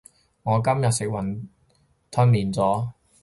我今日食雲吞麵咗